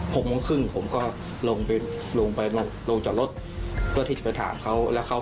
๖๓๐ผมก็ลงจอดรถเพื่อที่จะไปถามเขา